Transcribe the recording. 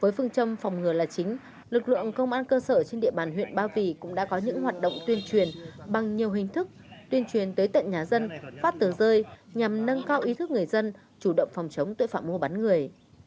với phương châm phòng ngừa là chính lực lượng công an cơ sở trên địa bàn huyện ba vì cũng đã có những hoạt động tuyên truyền bằng nhiều hình thức tuyên truyền tới tận nhà dân phát tờ rơi nhằm nâng cao ý thức người dân chủ động phòng chống tội phạm mua bán người